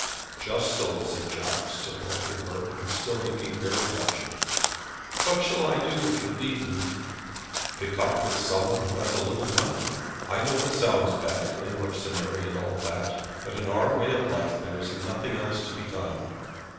"Just so," said Jack, still holding her, and still looking very wretched. "What shall I do if you leave me?" "Pick up some one that has a little money. I know it sounds bad and mercenary, and all that, but in our way of life there is nothing else to be done.